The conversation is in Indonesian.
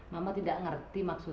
mama tidak ngerti maksudmu